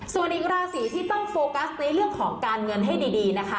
ส่วนอีกราศีที่ต้องโฟกัสในเรื่องของการเงินให้ดีนะคะ